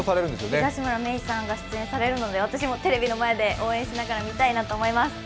東村さんが出演されるので私もテレビの前で応援しながら見たいと思います。